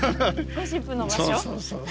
ゴシップの場所。